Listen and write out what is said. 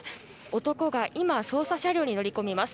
男が今、捜査車両に乗り込みます。